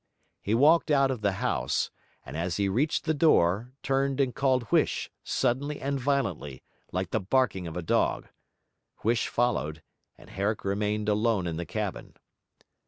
He walked out of the house; and as he reached the door, turned and called Huish, suddenly and violently, like the barking of a dog. Huish followed, and Herrick remained alone in the cabin.